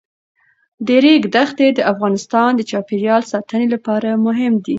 د ریګ دښتې د افغانستان د چاپیریال ساتنې لپاره مهم دي.